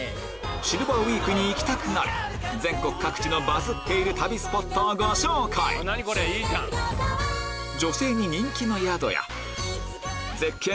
シルバーウイークに行きたくなる全国各地のバズっている旅スポットをご紹介女性に人気の宿や絶景